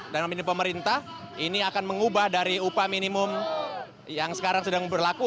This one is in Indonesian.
dan pemerintah ini akan mengubah dari upah minimum yang sekarang sedang berlaku